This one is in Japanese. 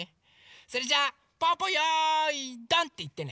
それじゃあぽぅぽ「よいどん！」っていってね。